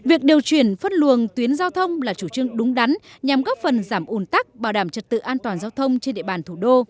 việc điều chuyển phân luồng tuyến giao thông là chủ trương đúng đắn nhằm góp phần giảm ủn tắc bảo đảm trật tự an toàn giao thông trên địa bàn thủ đô